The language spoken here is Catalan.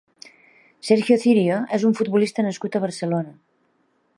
Sergio Cirio és un futbolista nascut a Barcelona.